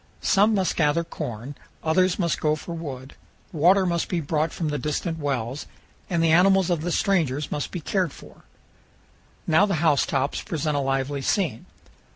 Some must gather corn, others must go for wood, water must be brought from the distant wells, and the animals of the strangers must be cared for. Now the house tops present a lively scene.